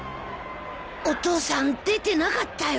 お父さん出てなかったよ。